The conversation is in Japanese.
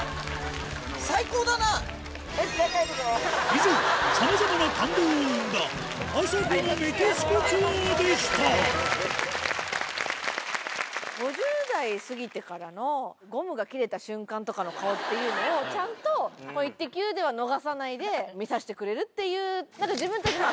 以上さまざまな感動を生んだあさこの５０代過ぎてからのゴムが切れた瞬間とかの顔っていうのをちゃんと『イッテＱ！』では逃さないで見させてくれるっていうなんか自分たちも。